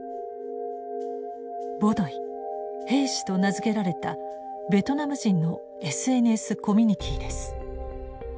“ボドイ”兵士と名付けられたベトナム人のＳＮＳコミュニティーです。